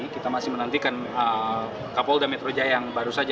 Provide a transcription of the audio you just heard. kita masih menantikan kapolda metro jaya yang baru saja